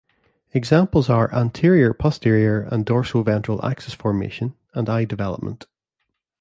Examples are anterior-posterior and dorso-ventral axis formation and eye development.